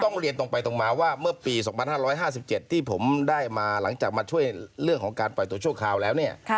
เรียนตรงไปตรงมาว่าเมื่อปี๒๕๕๗ที่ผมได้มาหลังจากมาช่วยเรื่องของการปล่อยตัวชั่วคราวแล้วเนี่ย